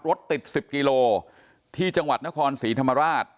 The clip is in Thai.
รถติด๑๐กิโลที่จังหวัดนครศรีธรรมราช